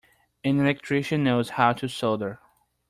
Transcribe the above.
An electrician knows how to solder.